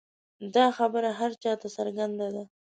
دا خبره هر چا ته څرګنده ده.